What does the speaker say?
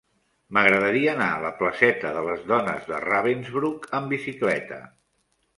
M'agradaria anar a la placeta de les Dones de Ravensbrück amb bicicleta.